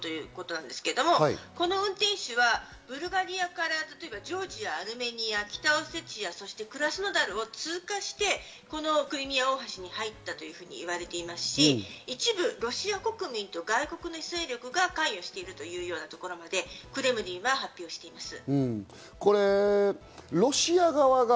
今までのロシア側の調査で明らかになったところということなんですけれど、運転手はブルガリアからジョージア、アルメニア、北オセチア、そしてクラスノダールを通過して、このクリミア大橋に入ったといわれていますし、一部ロシア国民と外国の勢力が関与しているというところまでクレムリンは発表しています。